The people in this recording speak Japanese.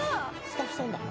スタッフさんだ」